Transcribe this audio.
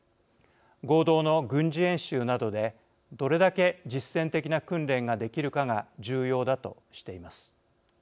合同の軍事演習などでどれだけ実戦的な訓練ができるかが重要だ」としています。